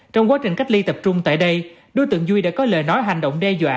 trong quá trình cách ly tập trung tại đây đối tượng duy đã có lời nói hành động đe dọa